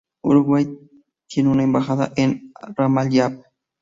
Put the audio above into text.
Uruguay tiene una embajada en Ramallah.